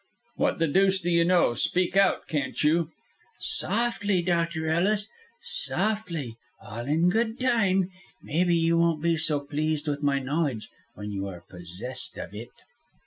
"What the deuce do you know? Speak out, can't you?" "Softly, Dr. Ellis, softly, all in good time. Maybe you won't be so pleased with my knowledge when you are possessed of it."